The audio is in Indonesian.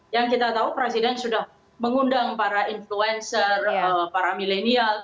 yang kita tahu presiden sudah mengundang para influencer para milenial